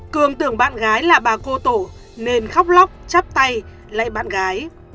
cường tưởng bạn gái là bà cô tổ nên khóc lóc chắp tay lấy bạn gái